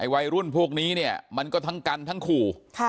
วัยรุ่นพวกนี้เนี่ยมันก็ทั้งกันทั้งขู่